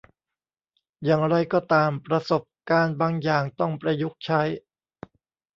อย่างไรก็ตาม ประสบการณ์บางอย่างต้องประยุกต์ใช้